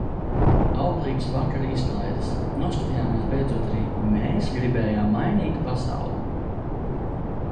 Auglīgas vakara izklaides. Noskatījāmies beidzot arī "Mēs gribējām mainīt pasauli".